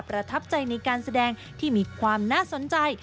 ประทับใจในการแสดงที่มีความน่าสนใจ